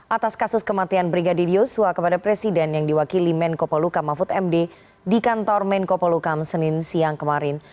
atas kasus kematian brigadir yosua kepada presiden yang diwakili menko poluka mahfud md di kantor menko polukam senin siang kemarin